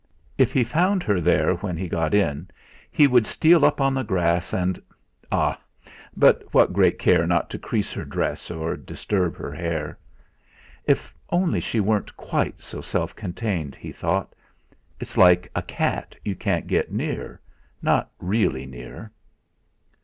If he found her there when he got in, he would steal up on the grass and ah! but with great care not to crease her dress or disturb her hair! 'If only she weren't quite so self contained,' he thought; 'It's like a cat you can't get near, not really near!'